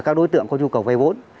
các đối tượng có nhu cầu vay vốn